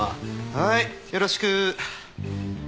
はいよろしく。